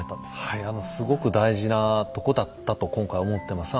はいあのすごく大事なとこだったと今回思ってます。